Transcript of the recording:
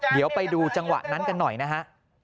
เดี๋ยวไปดูจังหวะนั้นกันหน่อยนะฮะ